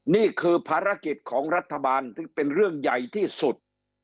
นี่คือภารกิจของรัฐบาลที่เป็นเรื่องใหญ่ที่สุด